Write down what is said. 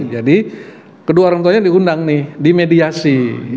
jadi kedua orang tuanya diundang nih di mediasi